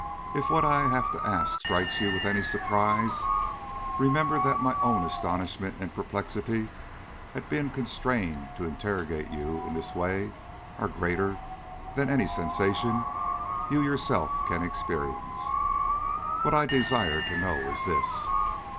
If what I have to ask strikes you with any surprise, remember that my own astonishment and perplexity at being constrained to interrogate you in this way, are greater than any sensation you can yourself experience. What I desire to know is this.